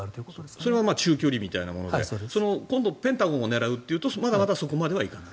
それは中距離みたいなもので今度、ペンタゴンを狙うというとまだまだそこまでは行かない？